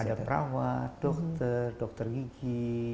ada perawat dokter dokter gigi